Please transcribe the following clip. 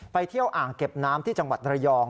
เที่ยวอ่างเก็บน้ำที่จังหวัดระยอง